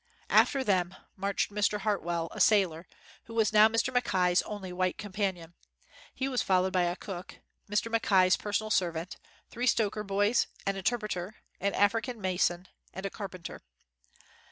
After them, marched Mr. Hartwell, a sailor, who was now Mr. Mackay 's only white companion. He was followed by a cook, Mr. Mackay 's personal servant, three stoker boys, an interpreter, an African ma son, and a carpenter.